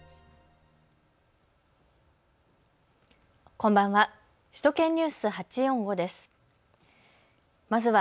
こんばんは。